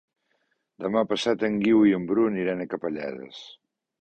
Demà passat en Guiu i en Bru aniran a Capellades.